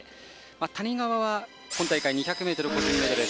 谷川は今大会２００ｍ個人メドレー